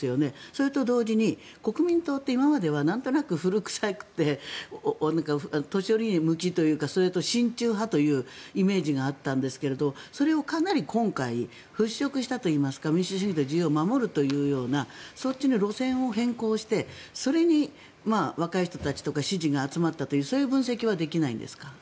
それと同時に国民党って今まではなんとなく古臭くて年寄り向きというかそれと、親中派というイメージがあったんですけどそれをかなり今回払しょくしたといいますか民主主義と自由を守るというそっちに路線を変更してそれに若い人たちとかの支持が集まったというそういう分析はできないんですか？